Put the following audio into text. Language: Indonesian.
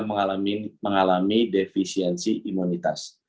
mengalami mengalami defisiensi imunitas